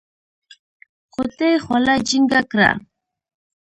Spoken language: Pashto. غوټۍ خوله جينګه کړه.